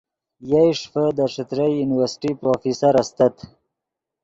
یئے ݰیفے دے ݯتریئی یونیورسٹی پروفیسر استت